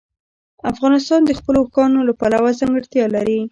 افغانستان د خپلو اوښانو له پلوه ځانګړتیا لري.